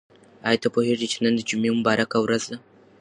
آیا ته پوهېږې چې نن د جمعې مبارکه ورځ ده؟